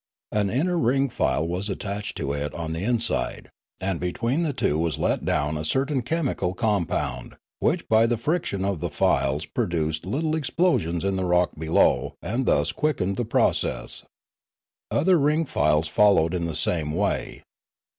An inner ring file was attached to it on the inside, and between the two was let down a certain chemical compound, which by the friction of the files produced little explosions in the rock below and thus quickened the process. Other ring files followed in the same way.